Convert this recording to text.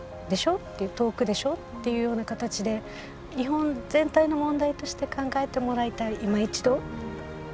遠くでしょ？」っていうような形で日本全体の問題として考えてもらいたいいま一度。